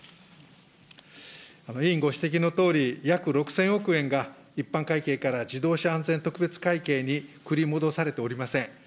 委員ご指摘のとおり、約６０００億円が一般会計から自動車安全特別会計に繰り戻されておりません。